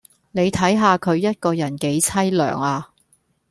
你睇下佢一個人幾淒涼呀